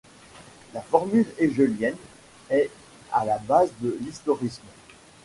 La formule hegelienne est à la base de l'historisme.